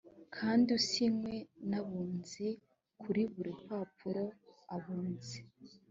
kandi usinywe n abunzi kuri buri rupapuro abunzi